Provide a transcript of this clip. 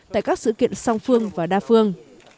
tại các sự kiện song phương và đa phương